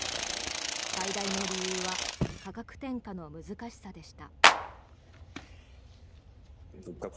最大の理由は価格転嫁の難しさでした。